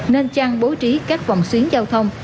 nên chăng bố trí các vòng xuyến giao thông